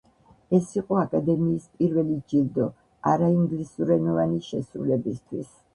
ეს იყო აკადემიის პირველი ჯილდო არაინგლისურენოვანი შესრულებისთვის.